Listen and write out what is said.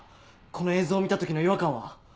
この映像を見た時の違和感は！